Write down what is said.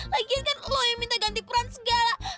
lagian kan lo yang minta ganti peran segala